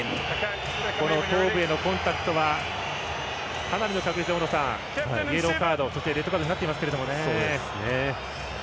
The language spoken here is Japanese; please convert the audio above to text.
頭部へのコンタクトはかなりの確率でイエローカードレッドカードになっていますけど。